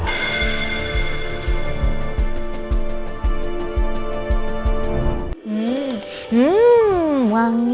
tidak ada yang mencuri